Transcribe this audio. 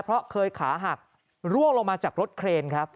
เพราะเคยขาหักร่วงลงมาจากรถเครนครับ